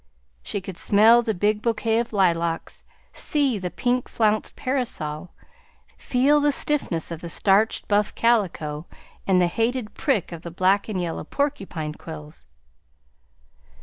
She could smell the big bouquet of lilacs, see the pink flounced parasol, feel the stiffness of the starched buff calico and the hated prick of the black and yellow porcupine quills.